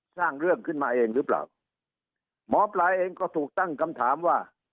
สร้างเรื่องขึ้นมาเองหรือเปล่าหมอปลาเองก็ถูกตั้งคำถามว่า